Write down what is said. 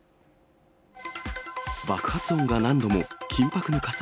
爆発音が何度も、緊迫の火災。